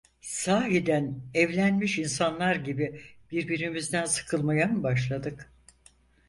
Sahiden evlenmiş insanlar gibi birbirimizden sıkılmaya mı başladık?